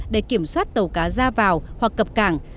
để kiểm soát tàu cá ra vào hoặc cập cảng